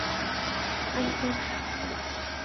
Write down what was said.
Anh quân